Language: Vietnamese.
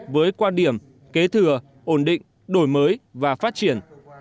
với quan điểm kế thừa ổn định đổi mới và phát triển